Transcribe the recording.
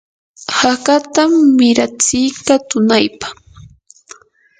hakatam miratsiyka tunaypa.